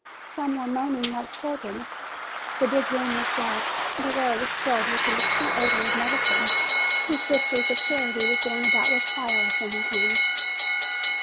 Some were moaning like children. The big room was dark, the air was filled with an acute odor of medicines. Two sisters of charity were going about with phials in their hands.